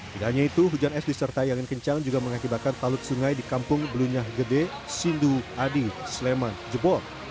tidak hanya itu hujan es disertai angin kencang juga mengakibatkan talut sungai di kampung blunyah gede sindu adi sleman jebol